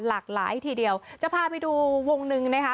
หลากหลายทีเดียวจะพาไปดูวงหนึ่งนะคะ